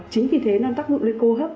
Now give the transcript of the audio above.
chính vì thế nó tác dụng lên cô hấp